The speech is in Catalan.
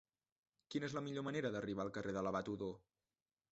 Quina és la millor manera d'arribar al carrer de l'Abat Odó?